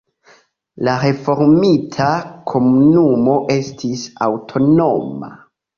La reformita komunumo estis aŭtonoma.